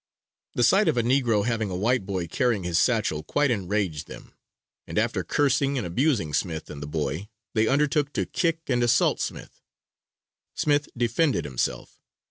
The sight of a negro having a white boy carrying his satchel quite enraged them, and after cursing and abusing Smith and the boy, they undertook to kick and assault Smith. Smith defended himself.